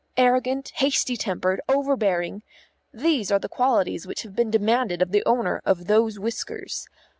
Arrogant, hasty tempered, over bearing these are the qualities which have been demanded of the owner of those whiskers.